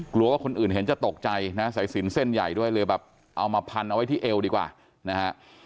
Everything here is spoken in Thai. กลัวว่าคนอื่นเห็นจะตกใจนะสายสินเส้นใหญ่ด้วยเลยแบบเอามาพันเอาไว้ที่เอวดีกว่านะฮะ